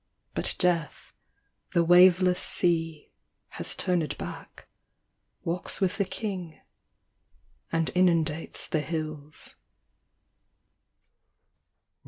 — But death, the waveless sea, has turned back, Walks with the King, and inundates the hills.